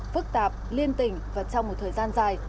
phức tạp liên tỉnh và trong một thời gian dài